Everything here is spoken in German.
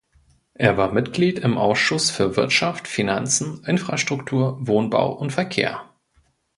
Er war Mitglied im Ausschuss für Wirtschaft, Finanzen, Infrastruktur, Wohnbau und Verkehr.